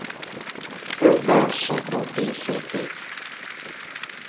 Körben szobrok díszítik.